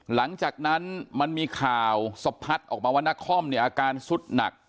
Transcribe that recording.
หลังจากนั้นมันมีข่าวสะพัดออกมาว่านักคอมเนี่ยอาการสุดหนัก